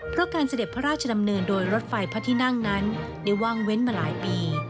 เพราะการเสด็จพระราชดำเนินโดยรถไฟพระที่นั่งนั้นได้ว่างเว้นมาหลายปี